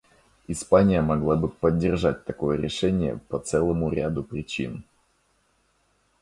Испания могла бы поддержать такое решение по целому ряду причин.